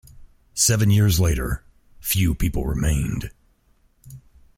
Seven years later few people remained.